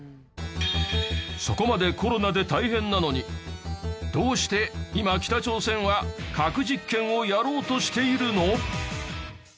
そこまでコロナで大変なのにどうして今北朝鮮は核実験をやろうとしているの？